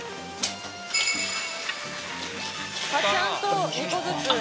「ちゃんと２個ずつ」